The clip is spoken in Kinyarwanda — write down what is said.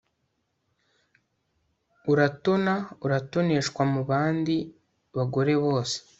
uratona uratoneshwa mubandi bagore bose